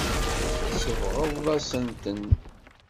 Tsebɣeḍ-asent-ten.